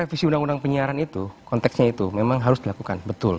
revisi undang undang penyiaran itu konteksnya itu memang harus dilakukan betul